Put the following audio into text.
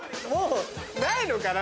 ないのかな？